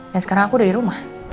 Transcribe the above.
dan sekarang aku udah di rumah